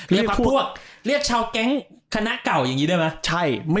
เรียกพวกเรียกชาวแก๊งคณะเก่าอย่างนี้ได้ไหม